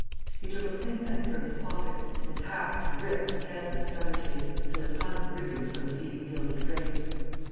He took a penknife from his pocket, and hacked and ripped the canvas savagely, till it hung in ribbons from the deep gilded frame.